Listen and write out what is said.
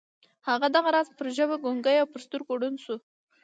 هغه دغه راز پر ژبه ګونګۍ او پر سترګو ړنده شوه